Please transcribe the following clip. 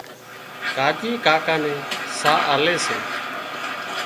ڪاچي ڪاڪا نين ساهَه آلي سي